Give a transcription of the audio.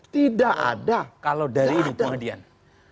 tidak ada kalau dari ini tuhan hadiah